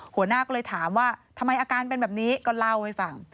หัวหน้าก็เลยถามว่าทำไมอาการเป็นแบบนี้ก็เล่าให้ฟัง